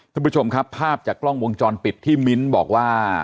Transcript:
ท่านผู้ชมครับภาพจากกล้องวงจรปิดที่มิ้นบอกว่า